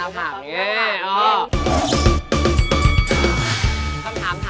อ๋อไม่จริง